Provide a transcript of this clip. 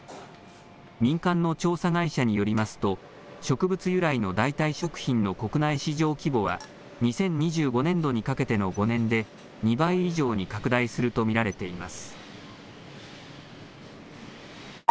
民間の調査会社によりますと植物由来の代替食品の国内市場規模は２０２５年度にかけての５年で２倍以上に拡大すると見られています。